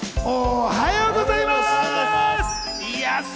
おはようございます！